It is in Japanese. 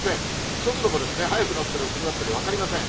速度もですね、速くなったり遅くなったり、分かりません。